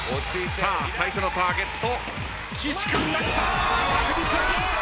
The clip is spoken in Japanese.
さあ２つ目のターゲット。